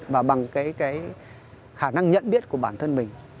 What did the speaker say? và bằng cái khả năng nhận biết của bản thân mình